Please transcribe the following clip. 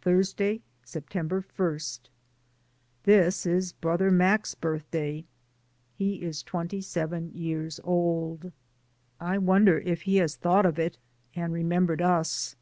Thursday, September i. This is brother Mac's birthday. He is twenty seven years old. I wonder if he has thought of it, and remembered us.